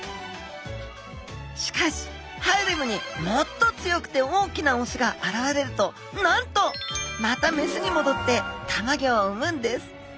しかしハーレムにもっと強くて大きなオスが現れるとなんとまたメスに戻ってたまギョを産むんです。